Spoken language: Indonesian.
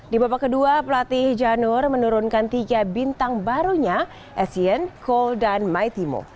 di babak kedua pelatih janur menurunkan tiga bintang barunya essien cole dan maitimo